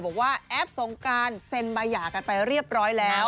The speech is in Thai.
บอกว่าแอปสงการเซ็นบายะกันไปเรียบร้อยแล้ว